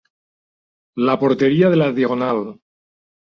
La porteria de la Diagonal.